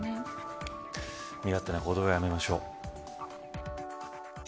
身勝手な行動はやめましょう。